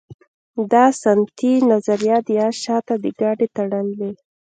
دا سنتي نظریه د اس شاته د ګاډۍ تړل دي.